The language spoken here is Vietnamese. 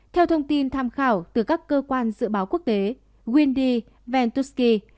theo thông tin tham khảo từ các cơ quan dự báo quốc tế windy ventusti